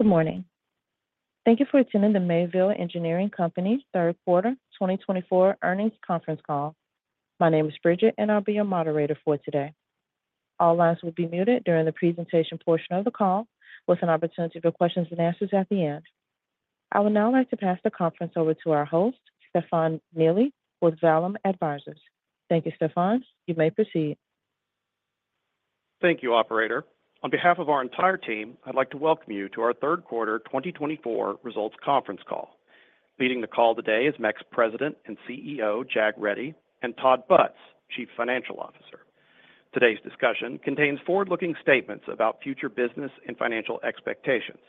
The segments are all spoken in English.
Good morning. Thank you for attending the Mayville Engineering Company Third Quarter 2024 Earnings Conference Call. My name is Bridget, and I'll be your moderator for today. All lines will be muted during the presentation portion of the call, with an opportunity for questions and answers at the end. I would now like to pass the conference over to our host, Stefan Neely, with Vallum Advisors. Thank you, Stefan. You may proceed. Thank you, Operator. On behalf of our entire team, I'd like to welcome you to our Third Quarter 2024 results conference call. Leading the call today is MEC President and CEO, Jag Reddy, and Todd Butz, Chief Financial Officer. Today's discussion contains forward-looking statements about future business and financial expectations.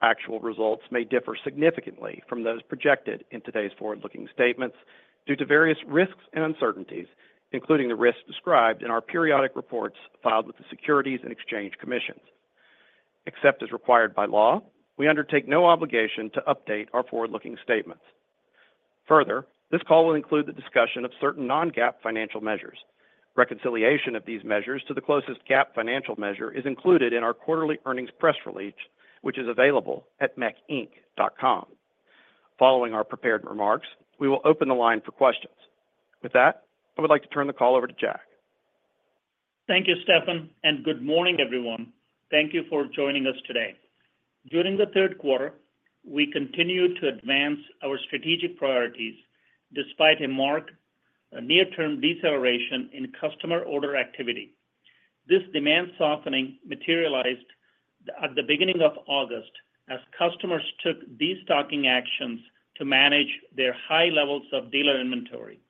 Actual results may differ significantly from those projected in today's forward-looking statements due to various risks and uncertainties, including the risks described in our periodic reports filed with the Securities and Exchange Commission. Except as required by law, we undertake no obligation to update our forward-looking statements. Further, this call will include the discussion of certain non-GAAP financial measures. Reconciliation of these measures to the closest GAAP financial measure is included in our quarterly earnings press release, which is available at mecinc.com. Following our prepared remarks, we will open the line for questions. With that, I would like to turn the call over to Jag Reddy. Thank you, Stefan, and good morning, everyone. Thank you for joining us today. During the third quarter, we continued to advance our strategic priorities despite a marked near-term deceleration in customer order activity. This demand softening materialized at the beginning of August as customers took destocking actions to manage their high levels of dealer inventory.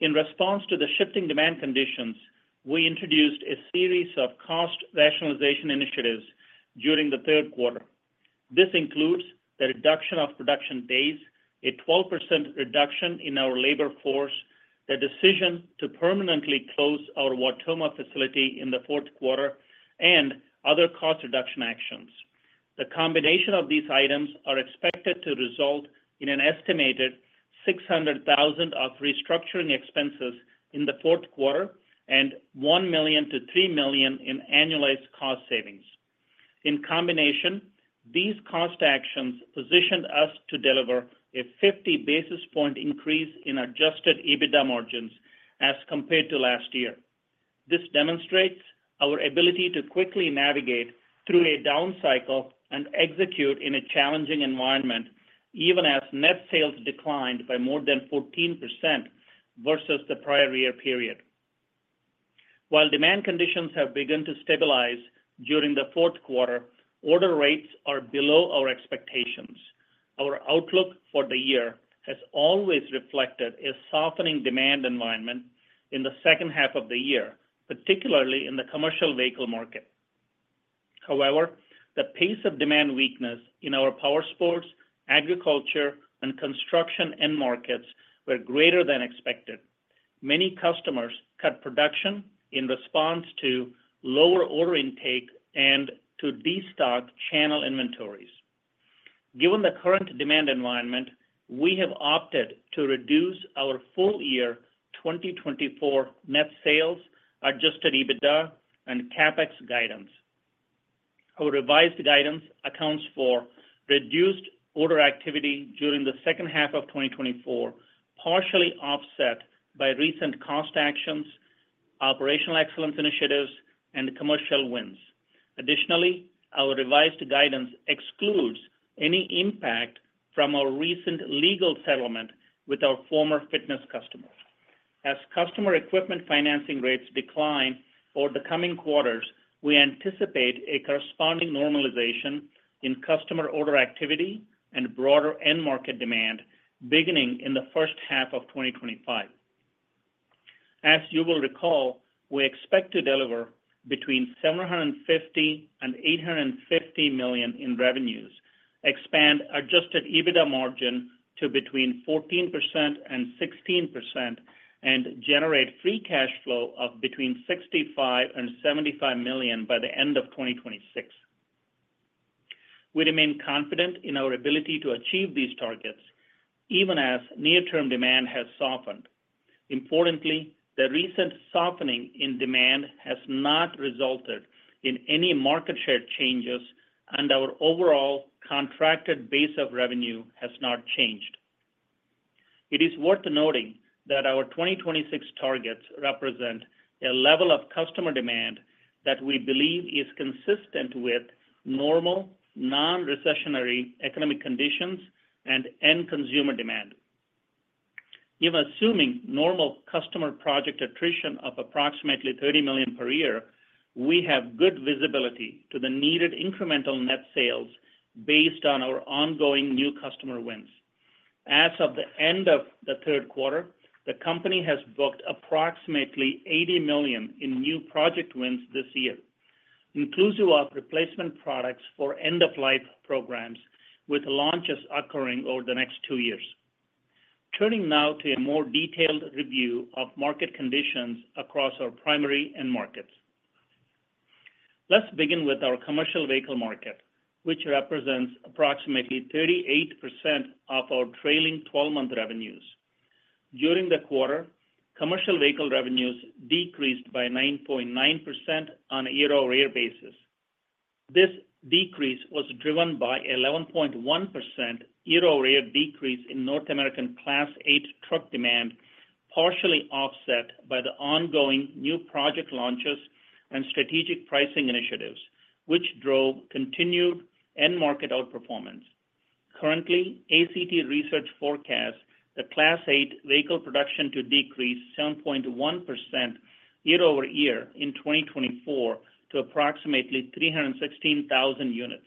In response to the shifting demand conditions, we introduced a series of cost rationalization initiatives during the third quarter. This includes the reduction of production days, a 12% reduction in our labor force, the decision to permanently close our Wautoma facility in the fourth quarter, and other cost reduction actions. The combination of these items is expected to result in an estimated $600,000 of restructuring expenses in the fourth quarter and $1 million-$3 million in annualized cost savings. In combination, these cost actions positioned us to deliver a 50 basis point increase in Adjusted EBITDA margins as compared to last year. This demonstrates our ability to quickly navigate through a down cycle and execute in a challenging environment, even as net sales declined by more than 14% versus the prior year period. While demand conditions have begun to stabilize during the fourth quarter, order rates are below our expectations. Our outlook for the year has always reflected a softening demand environment in the second half of the year, particularly in the commercial vehicle market. However, the pace of demand weakness in our Powersports, agriculture, and construction end markets was greater than expected. Many customers cut production in response to lower order intake and to destock channel inventories. Given the current demand environment, we have opted to reduce our full year 2024 net sales, adjusted EBITDA, and CapEx guidance. Our revised guidance accounts for reduced order activity during the second half of 2024, partially offset by recent cost actions, operational excellence initiatives, and commercial wins. Additionally, our revised guidance excludes any impact from our recent legal settlement with our former fitness customers. As customer equipment financing rates decline over the coming quarters, we anticipate a corresponding normalization in customer order activity and broader end market demand beginning in the first half of 2025. As you will recall, we expect to deliver between $750 million and $850 million in revenues, expand adjusted EBITDA margin to between 14% and 16%, and generate free cash flow of between $65 million and $75 million by the end of 2026. We remain confident in our ability to achieve these targets, even as near-term demand has softened. Importantly, the recent softening in demand has not resulted in any market share changes, and our overall contracted base of revenue has not changed. It is worth noting that our 2026 targets represent a level of customer demand that we believe is consistent with normal non-recessionary economic conditions and end consumer demand. In assuming normal customer project attrition of approximately $30 million per year, we have good visibility to the needed incremental net sales based on our ongoing new customer wins. As of the end of the third quarter, the company has booked approximately $80 million in new project wins this year, inclusive of replacement products for end-of-life programs, with launches occurring over the next two years. Turning now to a more detailed review of market conditions across our primary end markets. Let's begin with our commercial vehicle market, which represents approximately 38% of our trailing 12-month revenues. During the quarter, commercial vehicle revenues decreased by 9.9% on a year-over-year basis. This decrease was driven by an 11.1% year-over-year decrease in North American Class 8 truck demand, partially offset by the ongoing new project launches and strategic pricing initiatives, which drove continued end market outperformance. Currently, ACT Research forecasts the Class 8 vehicle production to decrease 7.1% year-over-year in 2024 to approximately 316,000 units.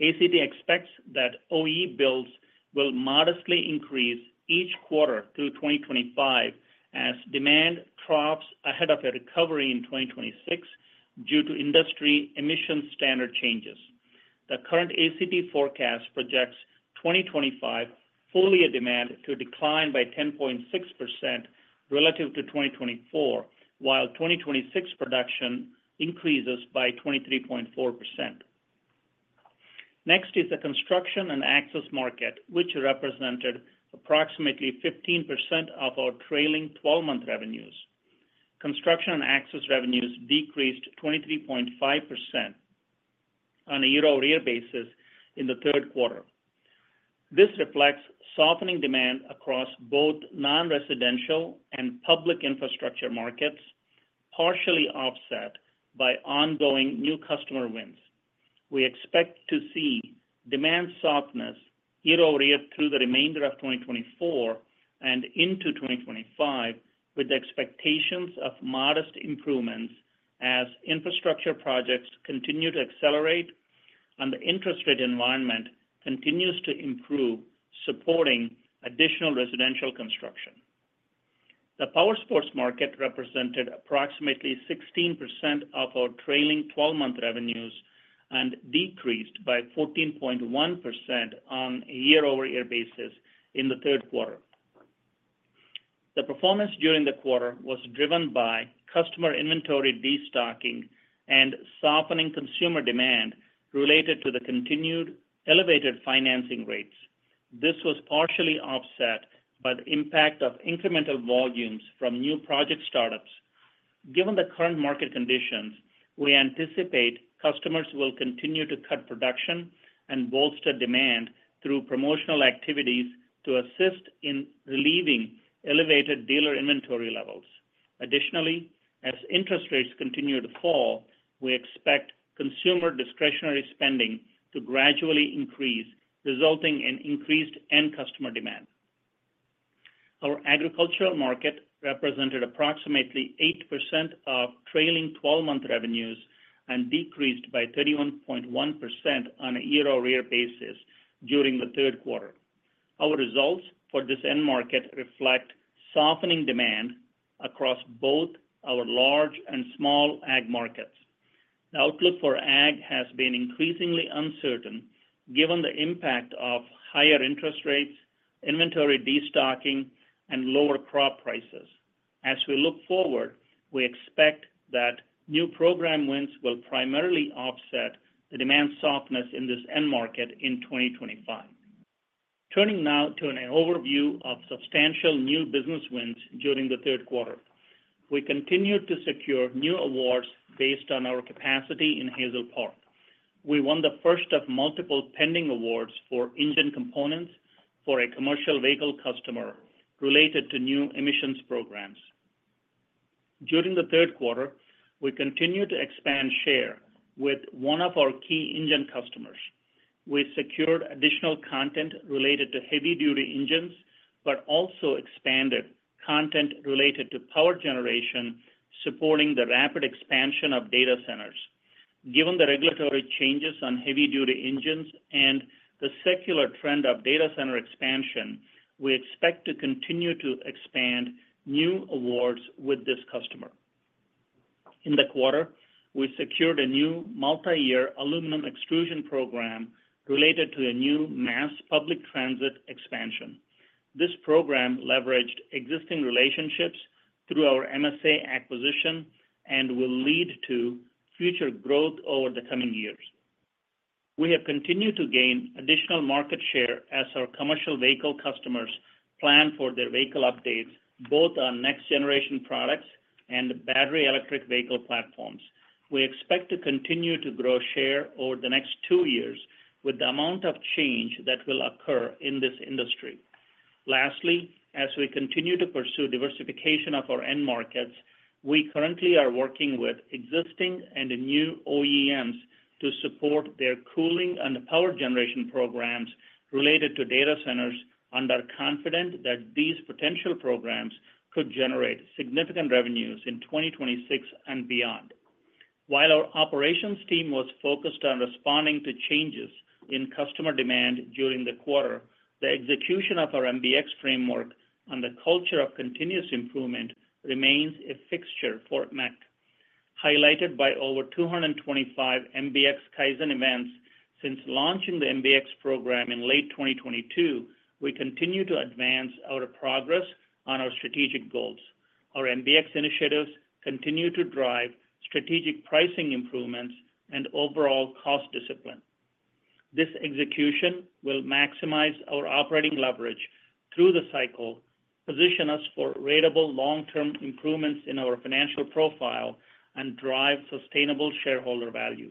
ACT expects that OE builds will modestly increase each quarter through 2025 as demand troughs ahead of a recovery in 2026 due to industry emission standard changes. The current ACT forecast projects 2025 OEM demand to decline by 10.6% relative to 2024, while 2026 production increases by 23.4%. Next is the construction and access market, which represented approximately 15% of our trailing 12-month revenues. Construction and access revenues decreased 23.5% on a year-over-year basis in the third quarter. This reflects softening demand across both non-residential and public infrastructure markets, partially offset by ongoing new customer wins. We expect to see demand softness year-over-year through the remainder of 2024 and into 2025, with expectations of modest improvements as infrastructure projects continue to accelerate and the interest rate environment continues to improve, supporting additional residential construction. The Powersports market represented approximately 16% of our trailing 12-month revenues and decreased by 14.1% on a year-over-year basis in the third quarter. The performance during the quarter was driven by customer inventory destocking and softening consumer demand related to the continued elevated financing rates. This was partially offset by the impact of incremental volumes from new project startups. Given the current market conditions, we anticipate customers will continue to cut production and bolster demand through promotional activities to assist in relieving elevated dealer inventory levels. Additionally, as interest rates continue to fall, we expect consumer discretionary spending to gradually increase, resulting in increased end customer demand. Our agricultural market represented approximately 8% of trailing 12-month revenues and decreased by 31.1% on a year-over-year basis during the third quarter. Our results for this end market reflect softening demand across both our large and small ag markets. The outlook for Ag has been increasingly uncertain given the impact of higher interest rates, inventory destocking, and lower crop prices. As we look forward, we expect that new program wins will primarily offset the demand softness in this end market in 2025. Turning now to an overview of substantial new business wins during the third quarter, we continued to secure new awards based on our capacity in Hazel Park. We won the first of multiple pending awards for engine components for a commercial vehicle customer related to new emissions programs. During the third quarter, we continued to expand share with one of our key engine customers. We secured additional content related to heavy-duty engines, but also expanded content related to power generation, supporting the rapid expansion of data centers. Given the regulatory changes on heavy-duty engines and the secular trend of data center expansion, we expect to continue to expand new awards with this customer. In the quarter, we secured a new multi-year aluminum extrusion program related to a new mass public transit expansion. This program leveraged existing relationships through our MSA acquisition and will lead to future growth over the coming years. We have continued to gain additional market share as our commercial vehicle customers plan for their vehicle updates, both on next-generation products and battery electric vehicle platforms. We expect to continue to grow share over the next two years with the amount of change that will occur in this industry. Lastly, as we continue to pursue diversification of our end markets, we currently are working with existing and new OEMs to support their cooling and power generation programs related to data centers and are confident that these potential programs could generate significant revenues in 2026 and beyond. While our operations team was focused on responding to changes in customer demand during the quarter, the execution of our MBX framework and the culture of continuous improvement remains a fixture for MEC. Highlighted by over 225 MBX Kaizen events since launching the MBX program in late 2022, we continue to advance our progress on our strategic goals. Our MBX initiatives continue to drive strategic pricing improvements and overall cost discipline. This execution will maximize our operating leverage through the cycle, position us for ratable long-term improvements in our financial profile, and drive sustainable shareholder value.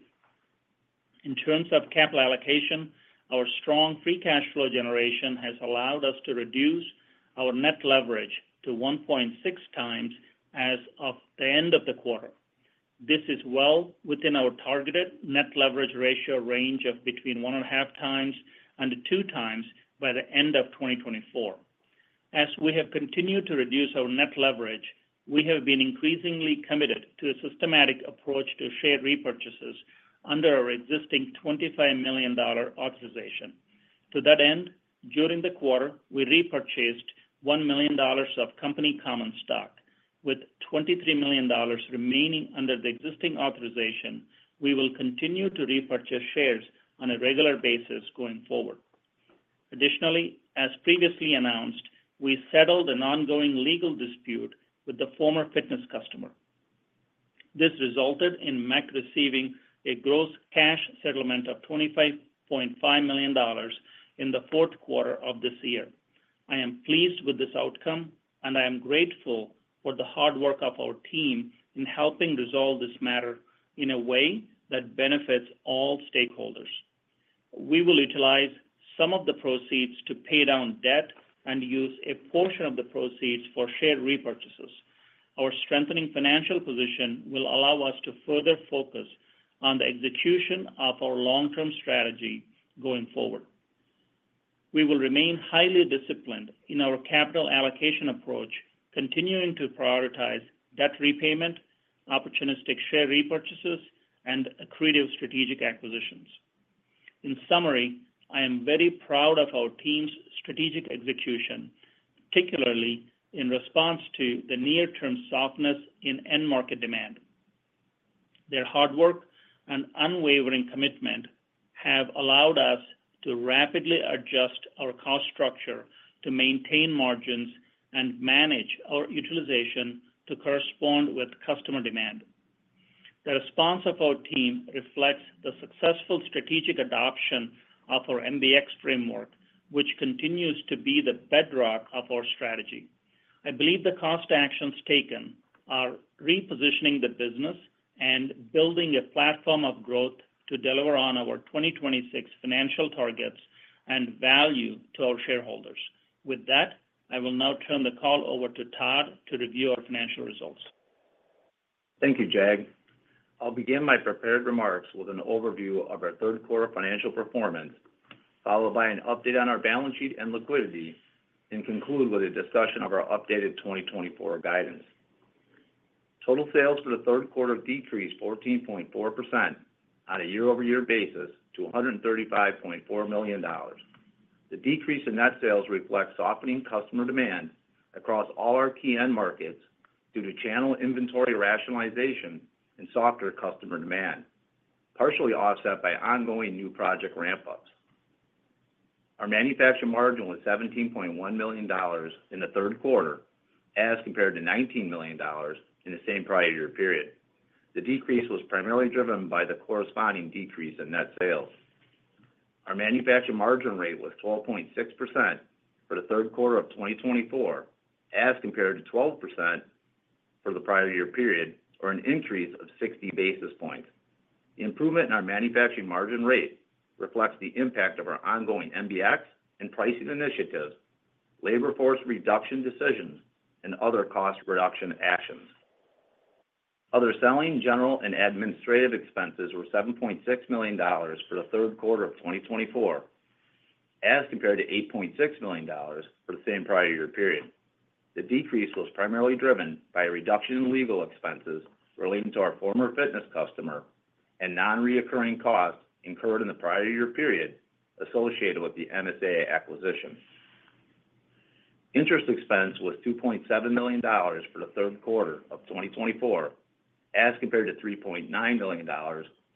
In terms of capital allocation, our strong free cash flow generation has allowed us to reduce our net leverage to 1.6x as of the end of the quarter. This is well within our targeted net leverage ratio range of between 1.5 and 2x by the end of 2024. As we have continued to reduce our net leverage, we have been increasingly committed to a systematic approach to share repurchases under our existing $25 million authorization. To that end, during the quarter, we repurchased $1 million of company common stock, with $23 million remaining under the existing authorization. We will continue to repurchase shares on a regular basis going forward. Additionally, as previously announced, we settled an ongoing legal dispute with the former fitness customer. This resulted in MEC receiving a gross cash settlement of $25.5 million in the fourth quarter of this year. I am pleased with this outcome, and I am grateful for the hard work of our team in helping resolve this matter in a way that benefits all stakeholders. We will utilize some of the proceeds to pay down debt and use a portion of the proceeds for share repurchases. Our strengthening financial position will allow us to further focus on the execution of our long-term strategy going forward. We will remain highly disciplined in our capital allocation approach, continuing to prioritize debt repayment, opportunistic share repurchases, and accretive strategic acquisitions. In summary, I am very proud of our team's strategic execution, particularly in response to the near-term softness in end market demand. Their hard work and unwavering commitment have allowed us to rapidly adjust our cost structure to maintain margins and manage our utilization to correspond with customer demand. The response of our team reflects the successful strategic adoption of our MBX framework, which continues to be the bedrock of our strategy. I believe the cost actions taken are repositioning the business and building a platform of growth to deliver on our 2026 financial targets and value to our shareholders. With that, I will now turn the call over to Todd to review our financial results. Thank you, Jag. I'll begin my prepared remarks with an overview of our third quarter financial performance, followed by an update on our balance sheet and liquidity, and conclude with a discussion of our updated 2024 guidance. Total sales for the third quarter decreased 14.4% on a year-over-year basis to $135.4 million. The decrease in net sales reflects softening customer demand across all our key end markets due to channel inventory rationalization and softer customer demand, partially offset by ongoing new project ramp-ups. Our manufacturing margin was $17.1 million in the third quarter as compared to $19 million in the same prior year period. The decrease was primarily driven by the corresponding decrease in net sales. Our manufacturing margin rate was 12.6% for the third quarter of 2024 as compared to 12% for the prior year period, or an increase of 60 basis points. The improvement in our manufacturing margin rate reflects the impact of our ongoing MBX and pricing initiatives, labor force reduction decisions, and other cost reduction actions. Other selling, general, and administrative expenses were $7.6 million for the third quarter of 2024 as compared to $8.6 million for the same prior year period. The decrease was primarily driven by a reduction in legal expenses relating to our former fitness customer and non-recurring costs incurred in the prior year period associated with the MSA acquisition. Interest expense was $2.7 million for the third quarter of 2024 as compared to $3.9 million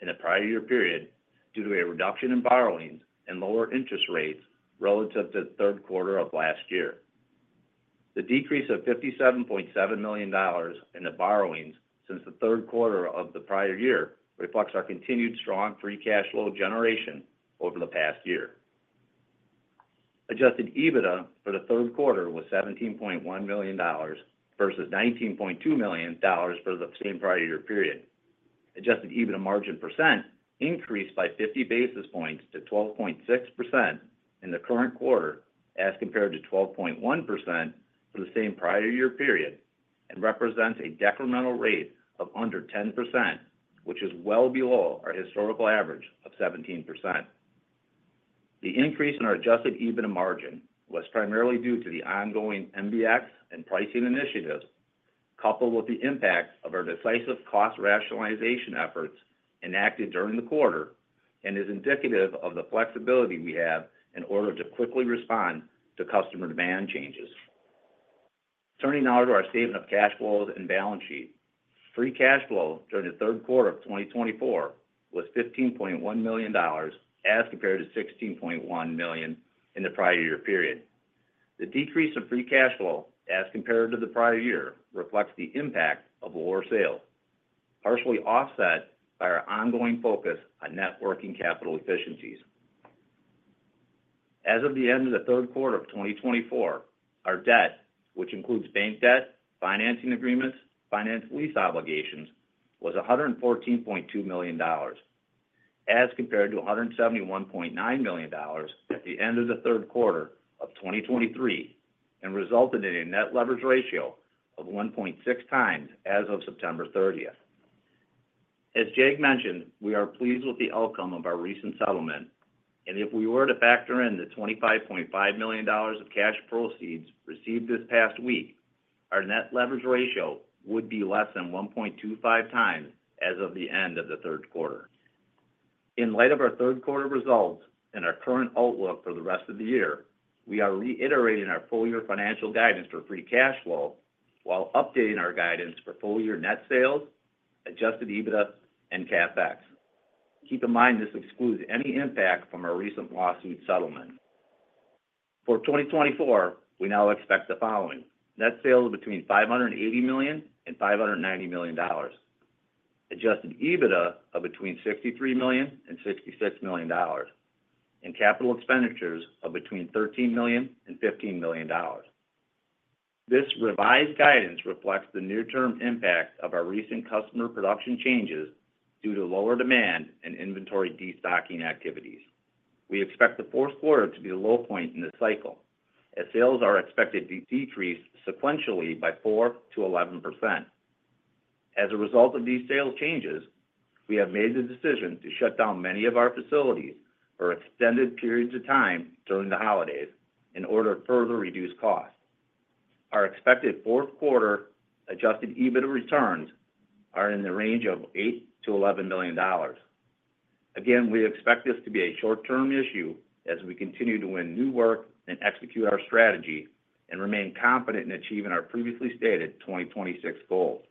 in the prior year period due to a reduction in borrowings and lower interest rates relative to the third quarter of last year. The decrease of $57.7 million in the borrowings since the third quarter of the prior year reflects our continued strong free cash flow generation over the past year. Adjusted EBITDA for the third quarter was $17.1 million versus $19.2 million for the same prior year period. Adjusted EBITDA margin percent increased by 50 basis points to 12.6% in the current quarter as compared to 12.1% for the same prior year period and represents a decremental rate of under 10%, which is well below our historical average of 17%. The increase in our adjusted EBITDA margin was primarily due to the ongoing MBX and pricing initiatives, coupled with the impact of our decisive cost rationalization efforts enacted during the quarter, and is indicative of the flexibility we have in order to quickly respond to customer demand changes. Turning now to our statement of cash flows and balance sheet, free cash flow during the third quarter of 2024 was $15.1 million as compared to $16.1 million in the prior year period. The decrease in free cash flow as compared to the prior year reflects the impact of lower sales, partially offset by our ongoing focus on working capital efficiencies. As of the end of the third quarter of 2024, our debt, which includes bank debt, financing agreements, and finance lease obligations, was $114.2 million as compared to $171.9 million at the end of the third quarter of 2023 and resulted in a net leverage ratio of 1.6 times as of September 30th. As Jag mentioned, we are pleased with the outcome of our recent settlement, and if we were to factor in the $25.5 million of cash proceeds received this past week, our net leverage ratio would be less than 1.25x as of the end of the third quarter. In light of our third quarter results and our current outlook for the rest of the year, we are reiterating our full-year financial guidance for free cash flow while updating our guidance for full-year net sales, Adjusted EBITDA, and CapEx. Keep in mind this excludes any impact from our recent lawsuit settlement. For 2024, we now expect the following: net sales between $580 million and $590 million, Adjusted EBITDA of between $63 million and $66 million, and capital expenditures of between $13 million and $15 million. This revised guidance reflects the near-term impact of our recent customer production changes due to lower demand and inventory destocking activities. We expect the fourth quarter to be the low point in this cycle as sales are expected to decrease sequentially by 4%-11%. As a result of these sales changes, we have made the decision to shut down many of our facilities for extended periods of time during the holidays in order to further reduce costs. Our expected fourth quarter Adjusted EBITDA returns are in the range of $8 million-$11 million. Again, we expect this to be a short-term issue as we continue to win new work and execute our strategy and remain confident in achieving our previously stated 2026 goals.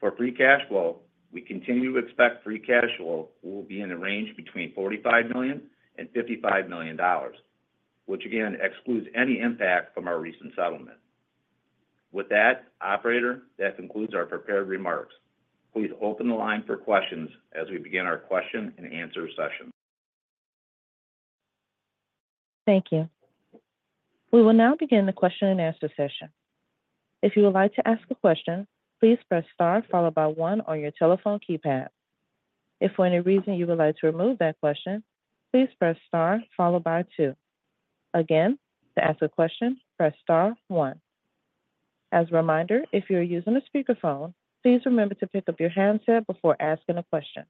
For free cash flow, we continue to expect free cash flow will be in the range between $45 million and $55 million, which again excludes any impact from our recent settlement. With that, Operator, that concludes our prepared remarks. Please open the line for questions as we begin our question and answer session. Thank you. We will now begin the question and answer session. If you would like to ask a question, please press star followed by one on your telephone keypad. If for any reason you would like to remove that question, please press star followed by two. Again, to ask a question, press star one. As a reminder, if you are using a speakerphone, please remember to pick up your handset before asking a question.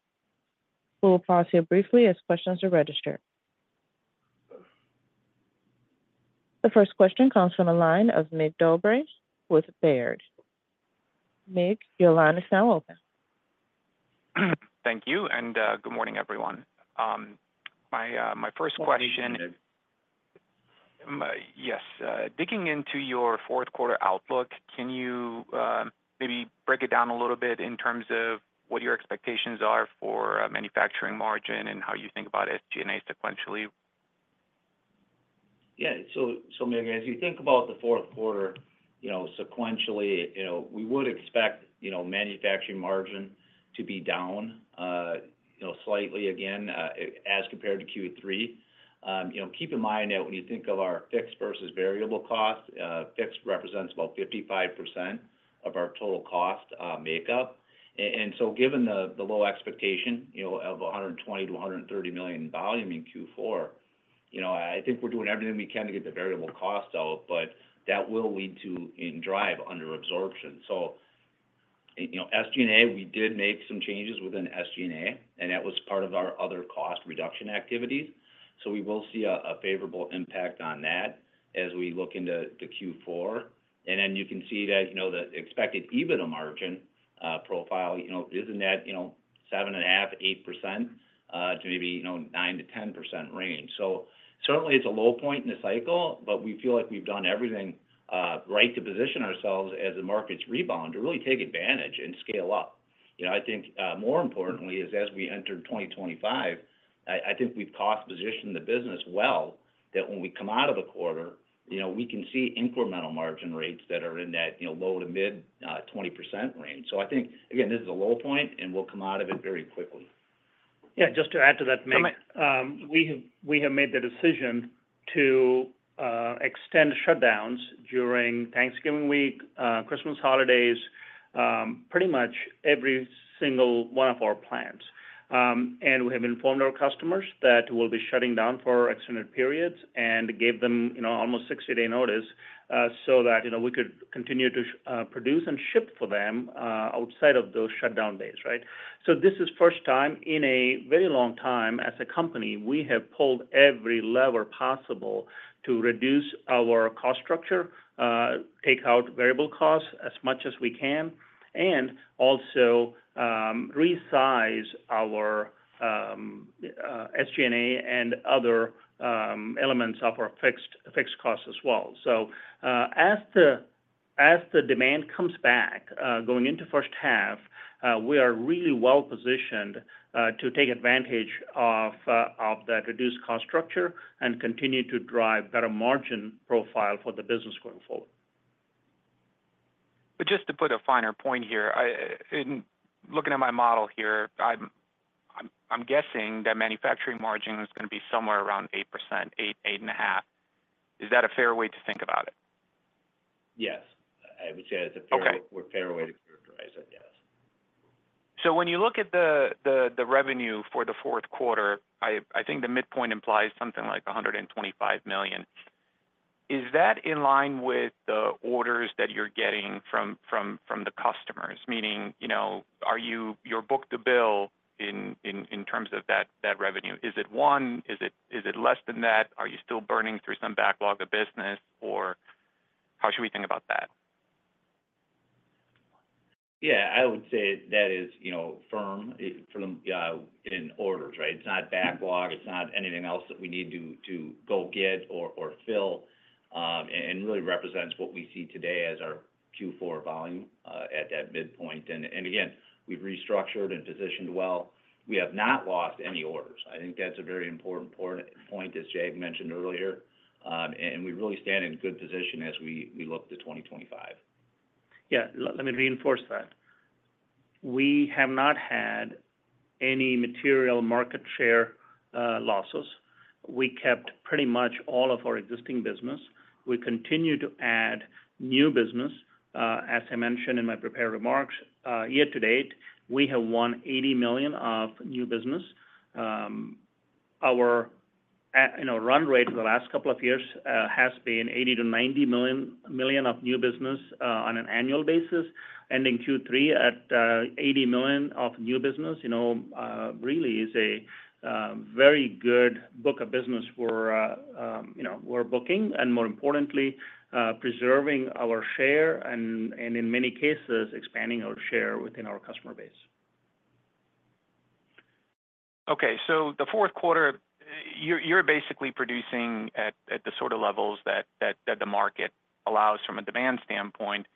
We will pause here briefly as questions are registered. The first question comes from the line of Mircea Dobre with Baird. Mick, your line is now open. Thank you, and good morning, everyone. My first question. Good morning, Mick. Yes. Digging into your fourth quarter outlook, can you maybe break it down a little bit in terms of what your expectations are for manufacturing margin and how you think about SG&A sequentially? Yeah. So, Mick, as you think about the fourth quarter sequentially, we would expect manufacturing margin to be down slightly again as compared to Q3. Keep in mind that when you think of our fixed versus variable cost, fixed represents about 55% of our total cost makeup. And so, given the low expectation of $120 million-$130 million volume in Q4, I think we're doing everything we can to get the variable cost out, but that will lead to and drive underabsorption. So, SG&A, we did make some changes within SG&A, and that was part of our other cost reduction activities. So, we will see a favorable impact on that as we look into Q4. And then you can see that the expected EBITDA margin profile is in that 7.5%-8% to maybe 9%-10% range. Certainly, it's a low point in the cycle, but we feel like we've done everything right to position ourselves as the market's rebound to really take advantage and scale up. I think more importantly is as we enter 2025, I think we've cost positioned the business well that when we come out of the quarter, we can see incremental margin rates that are in that low- to mid-20% range. I think, again, this is a low point, and we'll come out of it very quickly. Yeah. Just to add to that, Mick, we have made the decision to extend shutdowns during Thanksgiving week, Christmas holidays, pretty much every single one of our plants. And we have informed our customers that we'll be shutting down for extended periods and gave them almost 60-day notice so that we could continue to produce and ship for them outside of those shutdown days, right? So, this is the first time in a very long time as a company we have pulled every lever possible to reduce our cost structure, take out variable costs as much as we can, and also resize our SG&A and other elements of our fixed costs as well. So, as the demand comes back going into first half, we are really well positioned to take advantage of that reduced cost structure and continue to drive better margin profile for the business going forward. But just to put a finer point here, looking at my model here, I'm guessing that manufacturing margin is going to be somewhere around 8%, 8%, 8.5%. Is that a fair way to think about it? Yes. I would say that's a fair way to characterize it, yes. So, when you look at the revenue for the fourth quarter, I think the midpoint implies something like $125 million. Is that in line with the orders that you're getting from the customers? Meaning, is your book-to-bill in terms of that revenue? Is it 1%? Is it less than that? Are you still burning through some backlog of business? Or how should we think about that? Yeah. I would say that is firm in orders, right? It's not backlog. It's not anything else that we need to go get or fill and really represents what we see today as our Q4 volume at that midpoint. And again, we've restructured and positioned well. We have not lost any orders. I think that's a very important point, as Jag mentioned earlier, and we really stand in good position as we look to 2025. Yeah. Let me reinforce that We have not had any material market share losses. We kept pretty much all of our existing business. We continue to add new business. As I mentioned in my prepared remarks, year to date, we have won $80 million of new business. Our run rate for the last couple of years has been $80 million-$90 million of new business on an annual basis. Ending Q3 at $80 million of new business really is a very good book of business for booking and, more importantly, preserving our share and, in many cases, expanding our share within our customer base. Okay, so the fourth quarter, you're basically producing at the sort of levels that the market allows from a demand standpoint.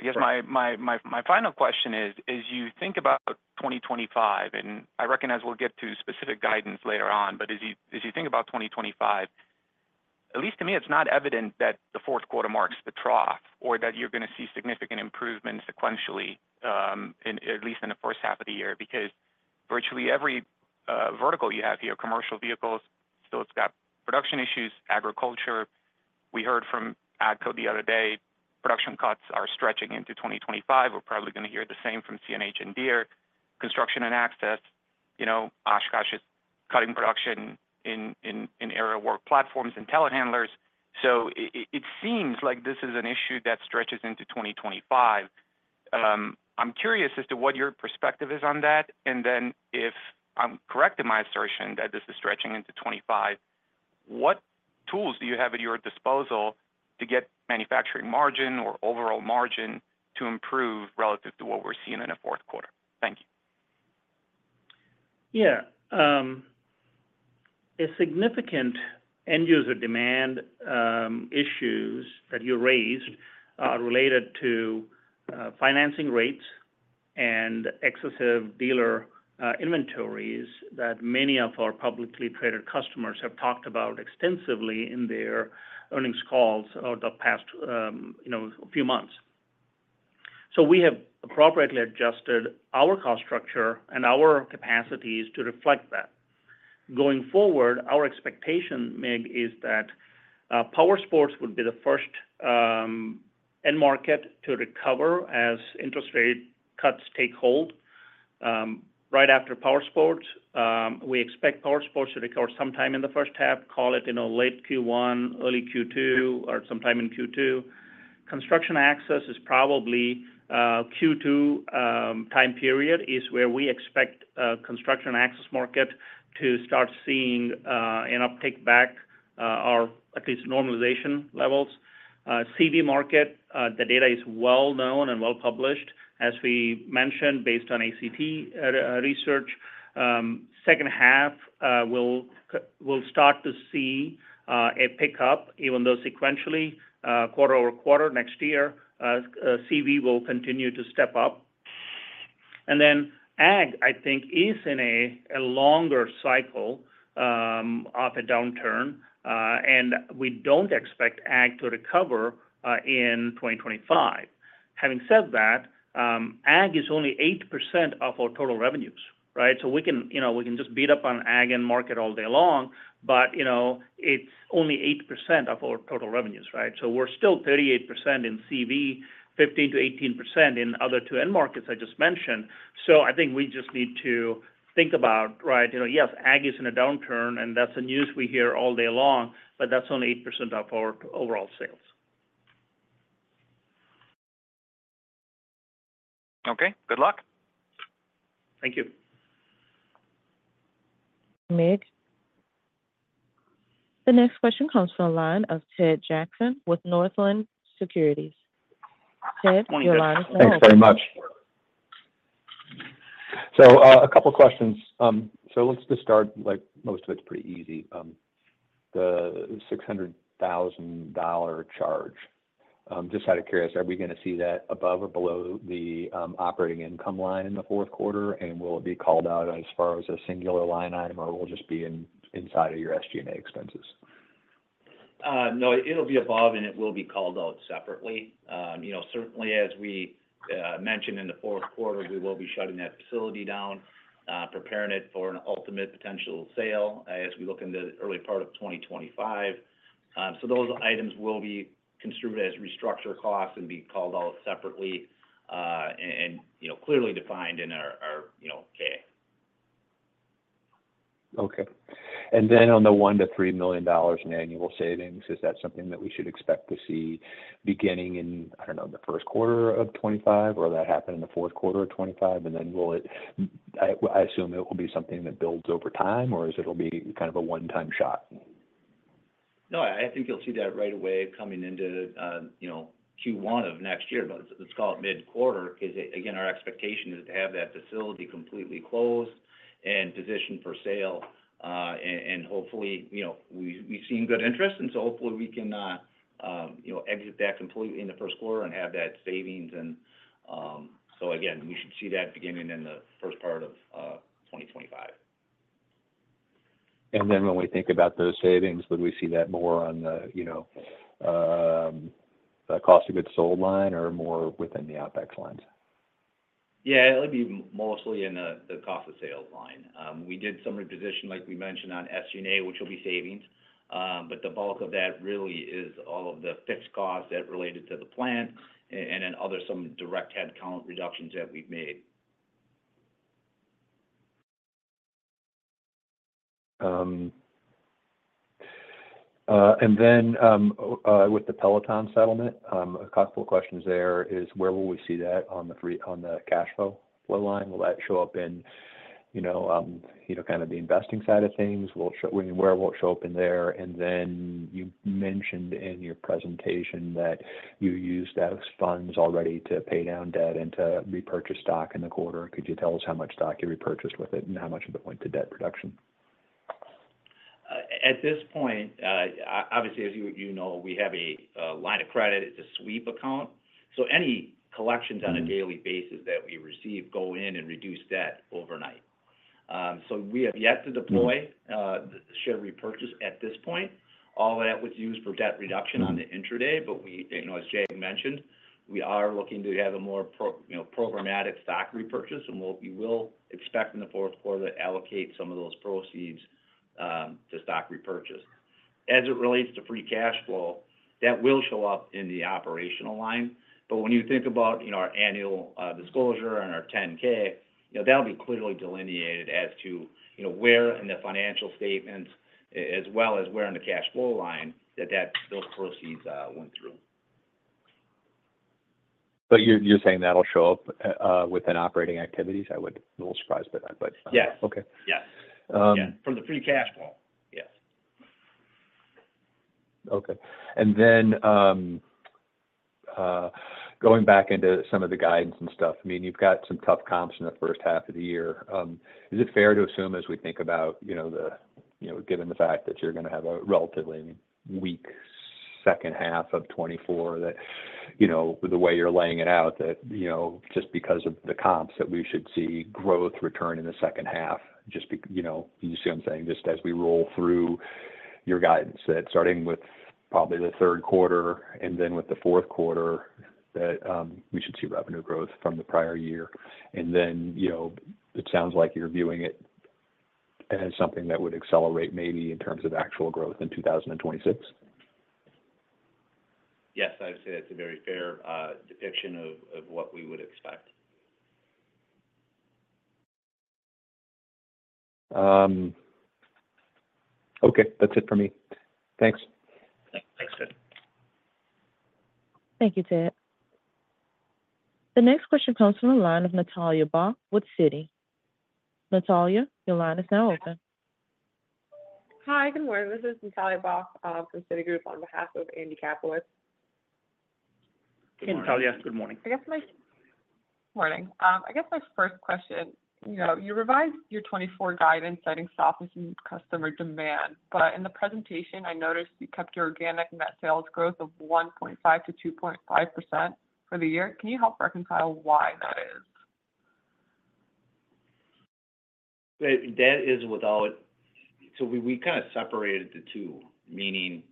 I guess my final question is, as you think about 2025, and I recognize we'll get to specific guidance later on, but as you think about 2025, at least to me, it's not evident that the fourth quarter marks the trough or that you're going to see significant improvements sequentially, at least in the first half of the year, because virtually every vertical you have here, commercial vehicles, so it's got production issues, agriculture. We heard from AGCO the other day, production cuts are stretching into 2025. We're probably going to hear the same from CNH and Deere, construction and access. Oshkosh is cutting production in aerial work platforms and telehandlers. So, it seems like this is an issue that stretches into 2025. I'm curious as to what your perspective is on that? Then, if I'm correct in my assertion that this is stretching into 2025, what tools do you have at your disposal to get manufacturing margin or overall margin to improve relative to what we're seeing in the fourth quarter? Thank you. Yeah. The significant end-user demand issues that you raised are related to financing rates and excessive dealer inventories that many of our publicly traded customers have talked about extensively in their earnings calls over the past few months. So, we have appropriately adjusted our cost structure and our capacities to reflect that. Going forward, our expectation, Mick, is that Powersports would be the first end market to recover as interest rate cuts take hold. Right after Powersports, we expect Powersports to recover sometime in the first half, call it late Q1, early Q2, or sometime in Q2. Construction access is probably Q2 time period is where we expect construction access market to start seeing an uptake back or at least normalization levels. CV market, the data is well known and well published, as we mentioned, based on ACT Research. Second half, we'll start to see a pickup, even though sequentially, quarter-over-quarter next year, CV will continue to step up, and then AG, I think, is in a longer cycle of a downturn, and we don't expect AG to recover in 2025. Having said that, AG is only 8% of our total revenues, right? So, we can just beat up on AG and market all day long, but it's only 8% of our total revenues, right? So, we're still 38% in CV, 15%-18% in other two end markets I just mentioned. So, I think we just need to think about, right? Yes, AG is in a downturn, and that's the news we hear all day long, but that's only 8% of our overall sales. Okay. Good luck. Thank you. Mick. The next question comes from the line of Ted Jackson with Northland Securities. Ted, your line is now open. Thanks very much. So, a couple of questions. So, let's just start. Most of it's pretty easy. The $600,000 charge, just out of curiosity, are we going to see that above or below the operating income line in the fourth quarter? And will it be called out as far as a singular line item, or will it just be inside of your SG&A expenses? No, it'll be above, and it will be called out separately. Certainly, as we mentioned in the fourth quarter, we will be shutting that facility down, preparing it for an ultimate potential sale as we look into the early part of 2025. So, those items will be construed as restructure costs and be called out separately and clearly defined in our 10-K. Okay. And then on the $1 million-$3 million in annual savings, is that something that we should expect to see beginning in, I don't know, the first quarter of 2025, or will that happen in the fourth quarter of 2025? And then will it, I assume it will be something that builds over time, or it'll be kind of a one-time shot? No, I think you'll see that right away coming into Q1 of next year, but let's call it mid-quarter because, again, our expectation is to have that facility completely closed and positioned for sale. Hopefully, we've seen good interest, and so hopefully we can exit that completely in the first quarter and have that savings. So, again, we should see that beginning in the first part of 2025. Then when we think about those savings, would we see that more on the cost of goods sold line or more within the OpEx lines? Yeah. It'll be mostly in the cost of sales line. We did some repositioning, like we mentioned, on SG&A, which will be savings. But the bulk of that really is all of the fixed costs that related to the plant and then some direct headcount reductions that we've made. Then with the Peloton settlement, a couple of questions there is: where will we see that on the cash flow line? Will that show up in kind of the investing side of things? Where will it show up in there? And then you mentioned in your presentation that you used those funds already to pay down debt and to repurchase stock in the quarter. Could you tell us how much stock you repurchased with it and how much of it went to debt reduction? At this point, obviously, as you know, we have a line of credit. It's a sweep account. So, any collections on a daily basis that we receive go in and reduce debt overnight. So, we have yet to deploy share repurchase at this point. All that was used for debt reduction on the intraday. But as Jag mentioned, we are looking to have a more programmatic stock repurchase, and we will expect in the fourth quarter to allocate some of those proceeds to stock repurchase. As it relates to free cash flow, that will show up in the operational line. But when you think about our annual disclosure and our 10-K, that'll be clearly delineated as to where in the financial statements, as well as where in the cash flow line that those proceeds went through. But you're saying that'll show up within operating activities? I wouldn't be a little surprised by that, but. Yes. Yes. Yeah. From the free cash flow, yes. Okay. And then going back into some of the guidance and stuff, I mean, you've got some tough comps in the first half of the year. Is it fair to assume as we think about, given the fact that you're going to have a relatively weak second half of 2024, that the way you're laying it out, that just because of the comps that we should see growth return in the second half, just you see what I'm saying? Just as we roll through your guidance, that starting with probably the third quarter and then with the fourth quarter, that we should see revenue growth from the prior year. And then it sounds like you're viewing it as something that would accelerate maybe in terms of actual growth in 2026. Yes. I would say that's a very fair depiction of what we would expect. Okay. That's it for me. Thanks. Thanks, Ted. Thank you, Ted. The next question comes from the line of Natalia Bach with Citi. Natalia, your line is now open. Hi. Good morning. This is Natalia Bach from Citigroup on behalf of Andy Kaplowitz. Good morning. Hi, Natalia. Good morning. Good morning. I guess my first question, you revised your 2024 guidance, citing softness in customer demand. But in the presentation, I noticed you kept your organic net sales growth of 1.5%-2.5% for the year. Can you help reconcile why that is? That is without so we kind of separated the two, meaning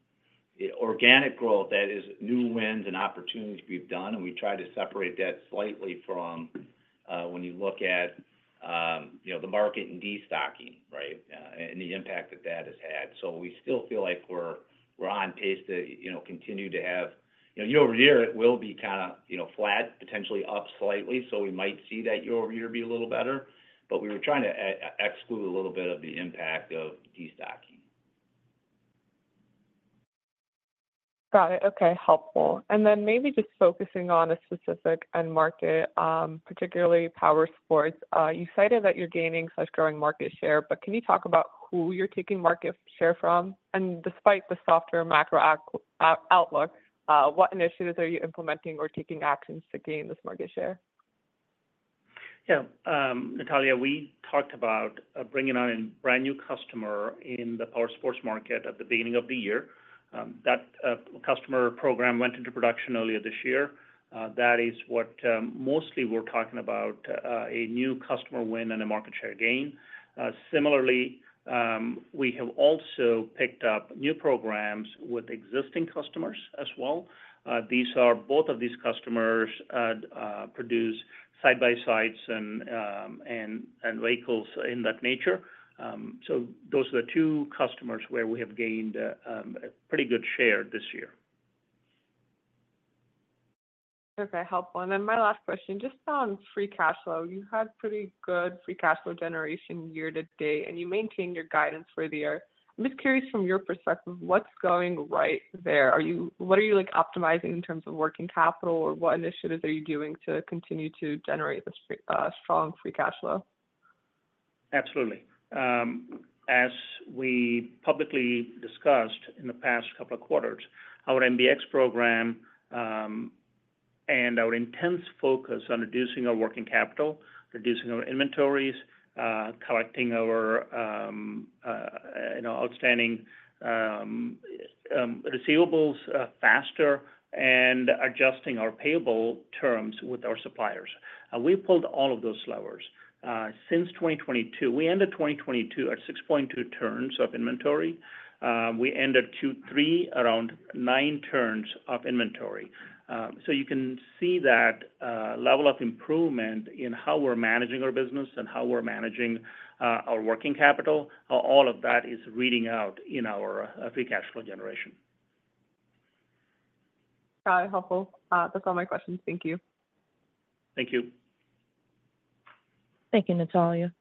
organic growth, that is new wins and opportunities we've done. And we tried to separate that slightly from when you look at the market and destocking, right, and the impact that that has had. So, we still feel like we're on pace to continue to have year-over-year, it will be kind of flat, potentially up slightly. So, we might see that year-over-year be a little better. We were trying to exclude a little bit of the impact of destocking. Got it. Okay. Helpful. Then maybe just focusing on a specific end market, particularly Powersports. You cited that you're gaining or growing market share, but can you talk about who you're taking market share from? And despite the softer macro outlook, what initiatives are you implementing or taking actions to gain this market share? Yeah. Natalia, we talked about bringing on a brand new customer in the Powersports market at the beginning of the year. That customer program went into production earlier this year. That is what mostly we're talking about: a new customer win and a market share gain. Similarly, we have also picked up new programs with existing customers as well. Both of these customers produce side-by-sides and vehicles of that nature. So, those are the two customers where we have gained a pretty good share this year. Okay. Helpful. And then my last question, just on free cash flow. You had pretty good free cash flow generation year to date, and you maintained your guidance for the year. I'm just curious from your perspective, what's going right there? What are you optimizing in terms of working capital, or what initiatives are you doing to continue to generate this strong free cash flow? Absolutely. As we publicly discussed in the past couple of quarters, our MBX program and our intense focus on reducing our working capital, reducing our inventories, collecting our outstanding receivables faster, and adjusting our payable terms with our suppliers. We pulled all of those levers since 2022. We ended 2022 at 6.2 turns of inventory. We ended Q3 around nine turns of inventory. So, you can see that level of improvement in how we're managing our business and how we're managing our working capital, how all of that is reading out in our free cash flow generation. Got it. Helpful. That's all my questions. Thank you. Thank you. Thank you, Natalia.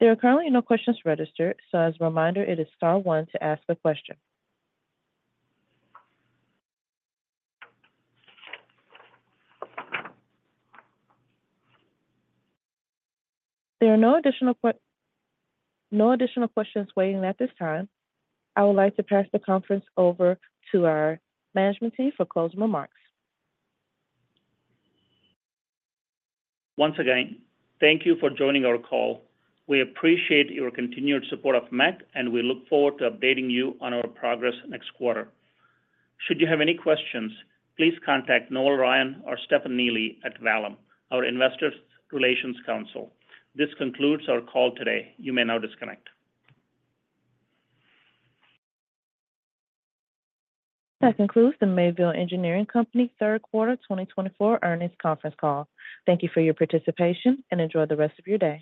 There are currently no questions registered. So, as a reminder, it is star one to ask a question. There are no additional questions waiting at this time. I would like to pass the conference over to our management team for closing remarks. Once again, thank you for joining our call. We appreciate your continued support of MEC, and we look forward to updating you on our progress next quarter. Should you have any questions, please contact Noel Ryan or Stefan Neely at Vallum, our investor relations counsel. This concludes our call today. You may now disconnect. That concludes the Mayville Engineering Company third quarter 2024 earnings conference call. Thank you for your participation and enjoy the rest of your day.